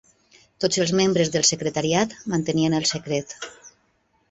Tots els membres del Secretariat, mantenien el secret.